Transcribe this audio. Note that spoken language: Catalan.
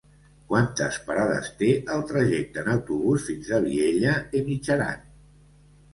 Quantes parades té el trajecte en autobús fins a Vielha e Mijaran?